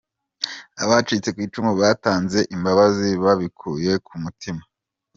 Abacitse ku icumu batanze imbabazi babikuye ku mutima.